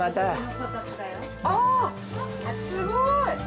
あすごい！